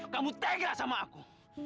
kamu tega sama aku